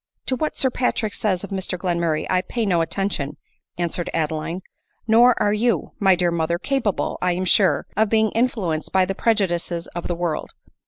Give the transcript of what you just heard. " To what Sir Patrick says of Mr Glenmurray I pay no attention," answered Adeline ;" nor are you, my dear mother, capable, I am sure, of being influenced by the prejudices of the world.